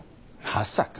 まさか。